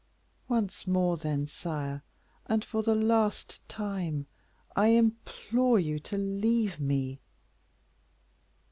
Once more, then, sire, and for the last time, I again implore you to leave me."